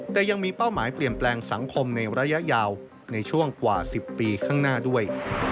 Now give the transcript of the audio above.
แต่ยังมีเป้าหมายเปลี่ยนแปลงสังคมในระยะยาวในช่วงกว่า๑๐ปีข้างหน้าด้วย